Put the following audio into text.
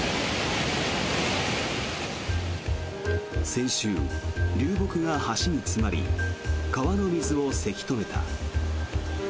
先週、流木が橋に詰まり川の水をせき止めた。